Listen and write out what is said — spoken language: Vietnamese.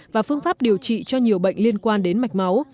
và phương pháp điều trị cho nhiều bệnh liên quan đến mạch máu